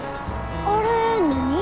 あれ何？